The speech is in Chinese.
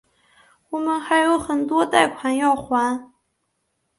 我们还有很多贷款要还